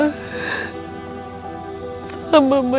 ini salah mama